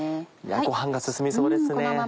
ご飯が進みそうですね。